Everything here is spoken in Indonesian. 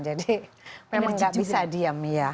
jadi memang gak bisa diam ya